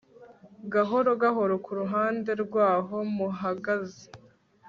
gahoro gahoro kuruhande rwaho muhagaze